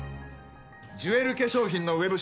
ジュエル化粧品のウェブ